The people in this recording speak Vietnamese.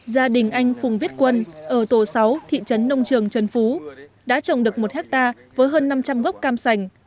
gia đình anh phùng viết quân ở tổ sáu thị trấn nông trường trần phú đã trồng được một hectare với hơn năm trăm linh gốc cam sành